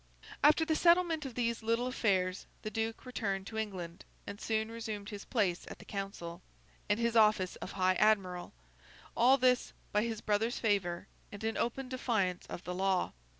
After the settlement of these little affairs, the Duke returned to England, and soon resumed his place at the Council, and his office of High Admiral—all this by his brother's favour, and in open defiance of the law.